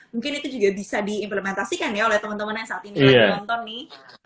mungkin itu juga bisa diimplementasikan ya oleh teman teman yang saat ini lagi nonton nih